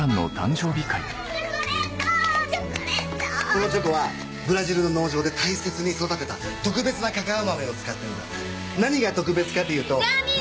このチョコはブラジルの農場で大切に育てた特別なカカオ豆を使ってるんだ何が特別かというと。